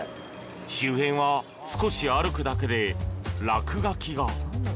周辺は少し歩くだけで落書きが。